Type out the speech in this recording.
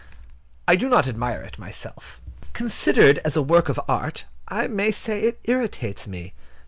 I do not admire it myself. Considered as a work of art, I may say it irritates me.